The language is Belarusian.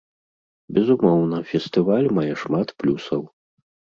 Безумоўна, фестываль мае шмат плюсаў.